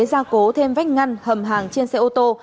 gia cố thêm vách ngăn hầm hàng trên xe ô tô